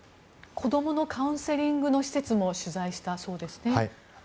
子供のカウンセリングの施設も取材したそうですね。